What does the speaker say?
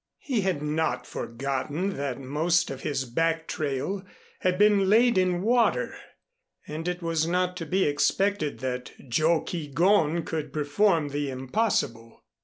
He had not forgotten that most of his back trail had been laid in water, and it was not to be expected that Joe Keegón could perform the impossible.